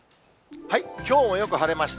きょうもよく晴れました。